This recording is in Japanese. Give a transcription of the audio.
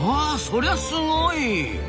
そりゃすごい！